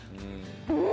うん！